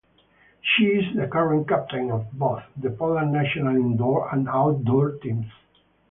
She is the current captain of both the Poland national indoor and outdoor teams.